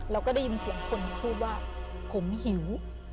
แล้วก็ได้ยินเสียงคนพูดว่าผมหิว